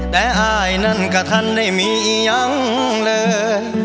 แต่อายนั้นก็ท่านได้มียังเลย